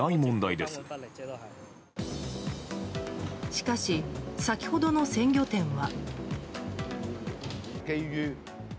しかし先ほどの鮮魚店は。